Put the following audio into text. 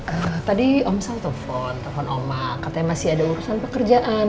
eh tadi om sal telfon telfon om mak katanya masih ada urusan pekerjaan